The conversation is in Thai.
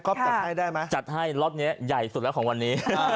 ก็จัดให้ได้ไหมจัดให้ล็อตนี้ใหญ่สุดแล้วของวันนี้